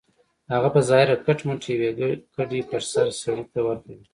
هغه په ظاهره کټ مټ يوې کډې پر سر سړي ته ورته و.